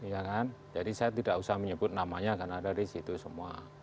iya kan jadi saya tidak usah menyebut namanya karena ada disitu semua